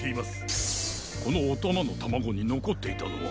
このおたまのタマゴにのこっていたのは。